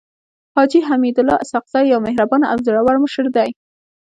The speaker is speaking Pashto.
حاجي حميدالله اسحق زی يو مهربانه او زړور مشر دی.